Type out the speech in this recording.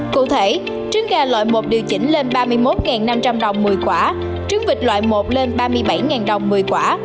cụ thể trứng gà loại một điều chỉnh lên ba mươi một năm trăm linh đồng một mươi quả trứng vịt loại một lên ba mươi bảy đồng một mươi quả